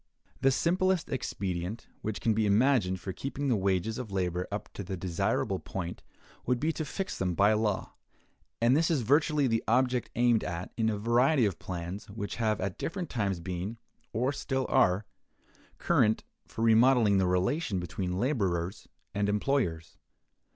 The simplest expedient which can be imagined for keeping the wages of labor up to the desirable point would be to fix them by law; and this is virtually the object aimed at in a variety of plans which have at different times been, or still are, current, for remodeling the relation between laborers and employers.